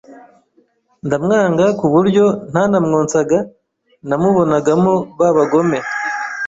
ndamwanga kuburyo ntanamwonsaga namubonagamo babagome.